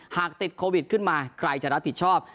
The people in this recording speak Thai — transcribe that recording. หากติดโควิดขึ้นมาใครจะรับผิดชอบ